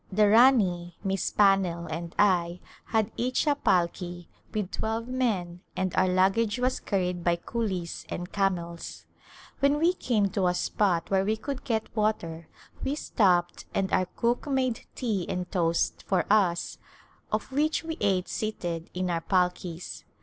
The Rani, Miss Pannell and I had each a palki with twelve men and our luggage was carried by coolies and camels. When we came to a spot where we could get water we stopped and our cook made tea and toast for us of which we ate seated in our palkis.